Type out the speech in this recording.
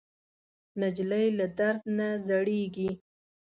نجلۍ له درد نه زړېږي.